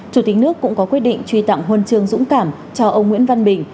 chủ tịch nước cũng có quyết định truy tặng huân chương dũng cảm cho ông nguyễn văn bình